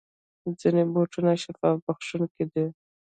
ځینې بوټي شفا بخښونکي دي